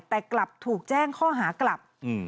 แต่กลับถูกแจ้งข้อหากลับ